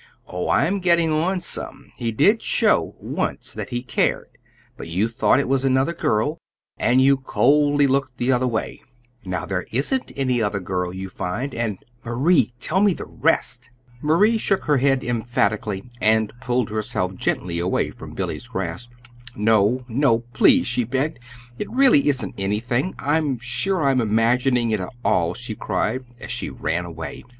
"Oh, I'm getting on some! He did show, once, that he cared; but you thought it was another girl, and you coldly looked the other way. Now, there ISN'T any other girl, you find, and Marie, tell me the rest!" Marie shook her head emphatically, and pulled herself gently away from Billy's grasp. "No, no, please!" she begged. "It really isn't anything. I'm sure I'm imagining it all!" she cried, as she ran away.